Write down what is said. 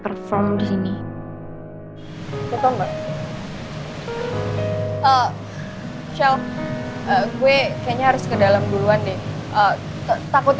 engaged enam tahun lalu